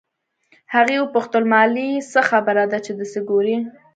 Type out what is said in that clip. هغې وپوښتل مالې څه خبره ده چې دسې ګورې.